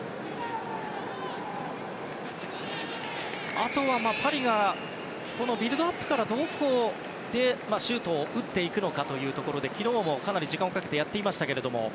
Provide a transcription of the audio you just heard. あとはパリがこのビルドアップからどこでシュートを打っていくのかというところで昨日もかなり時間をかけてやっていましたが。